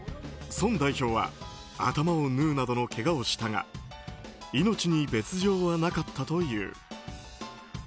ソン代表は頭を縫うなどのけがをしたが命に別条はなかったという。